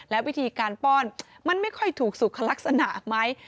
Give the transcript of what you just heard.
และวิธีการป้อนมันไม่ค่อยถูกสุขลักษณะไหม